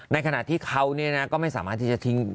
ในขณะที่เขาก็ไม่สามารถที่จะทิ้ง